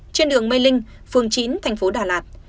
trên đường mê linh phường chín thành phố đà lạt